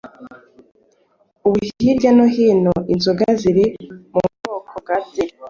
Ubu hirya no hino inzoga ziri mu bwoko bwa byeri